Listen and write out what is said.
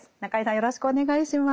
よろしくお願いします。